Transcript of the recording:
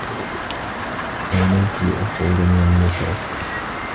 عانيت لأخرج من الميترو